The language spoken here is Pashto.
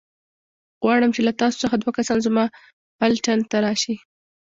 غواړم چې له تاسو څخه دوه کسان زما پلټن ته راشئ.